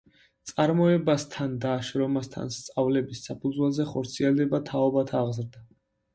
წარმოებასთან და შრომასთან სწავლების საფუძველზე ხორციელდება თაობათა აღზრდა.